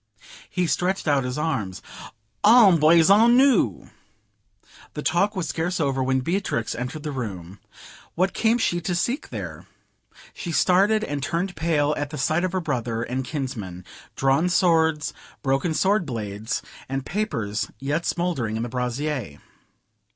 He stretched out his arms: "Embrassons nous!" The talk was scarce over when Beatrix entered the room: What came she to seek there? She started and turned pale at the sight of her brother and kinsman, drawn swords, broken sword blades, and papers yet smouldering in the brazier.